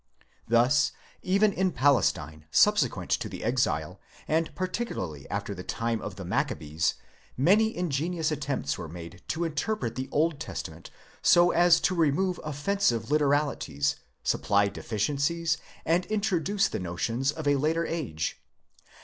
'Thus, even in Palestine, subsequent to the exile, and particularly after the time of the Maccabees, many ingenious attempts were made to interpret the Old Testament so as to remove offensive literalities, supply deficiencies, and intro duce the notions of a later age.